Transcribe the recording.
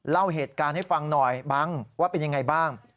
เล่าเหตุการณ์ให้ฟังหน่อยบังว่าเป็นยังไงบ้าง